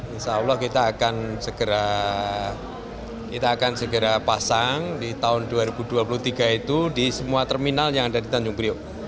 insya allah kita akan segera kita akan segera pasang di tahun dua ribu dua puluh tiga itu di semua terminal yang ada di tanjung priok